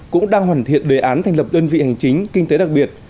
cũng đang hoàn thiện đề án thành lập đơn vị hành chính kinh tế đặc biệt